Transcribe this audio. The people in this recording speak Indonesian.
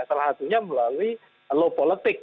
salah satunya melalui low politik